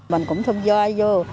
mình cũng thông gia vô